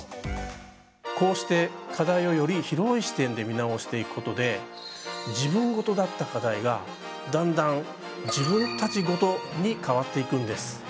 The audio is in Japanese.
こうして課題をより広い視点で見直していくことで「自分事」だった課題がだんだん「自分たち事」に変わっていくんです。